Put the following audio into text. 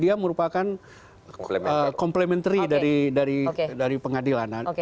dia merupakan complementary dari pengadilan